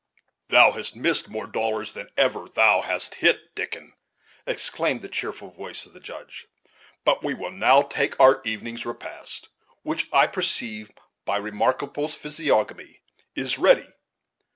"Thou hast missed more dollars than ever thou hast hit, Dickon," exclaimed the cheerful voice of the Judge. "But we will now take our evening's repast, which I perseive, by Remarkable's physiognomy, is ready.